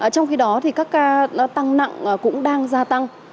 trong khi đó thì các ca tăng nặng cũng đang gia tăng